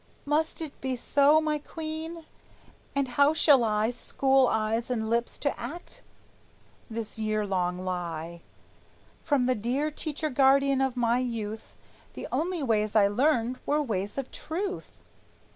Must it be so, my queen? And how shall I School eyes and lips to act this year long lie? From the dear teacher guardian of my youth The only ways I learned were ways of truth!